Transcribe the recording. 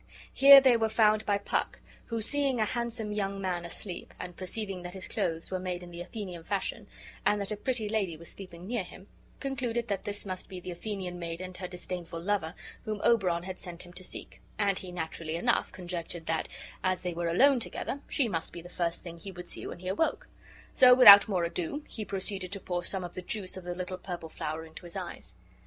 Here they were found by Puck, who, seeing a handsome young man asleep, and perceiving that his clothes were made in the Athenian fashion, and that a pretty lady was sleeping near him, concluded that this must be the Athenian maid and her disdainful lover whom Oberon had sent him to seek; and he naturally enough conjectured that, as they were alone together, she must be the first thing he would see when he awoke; so, without more ado, he proceeded to pour some of the juice of the little purple flower into his eyes.